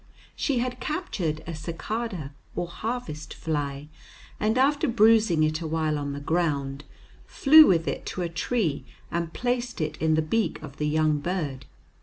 She had captured a cicada or harvest fly, and, after bruising it awhile on the ground, flew with it to a tree and placed it in the beak of the young bird.